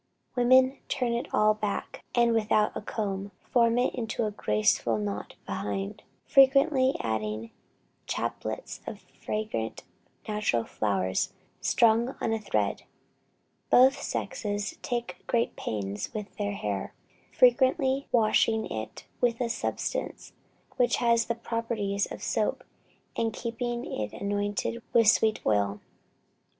Women turn it all back, and without a comb, form it into a graceful knot behind, frequently adding chaplets of fragrant natural flowers strung on a thread. Both sexes take great pains with their hair, frequently washing it with a substance which has the properties of soap, and keeping it anointed with sweet oil."